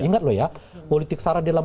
ingat loh ya politik sara dalam